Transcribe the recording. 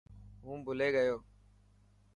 هون ڀلي گيو.